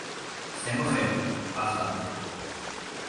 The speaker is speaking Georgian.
ზემო ხედი, ახლანდ.